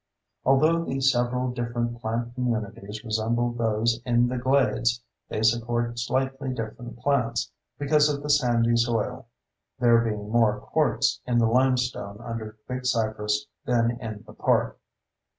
Although the several different plant communities resemble those in the glades, they support slightly different plants, because of the sandy soil (there being more quartz in the limestone under Big Cypress than in the park).